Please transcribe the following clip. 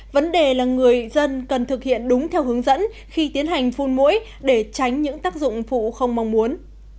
vấn đề là người dân cần thực hiện đúng theo hướng dẫn khi tiến hành phun mũi để tránh những tác dụng phụ không mong muốn